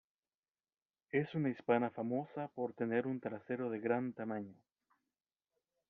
Es una hispana famosa por tener un trasero de gran tamaño.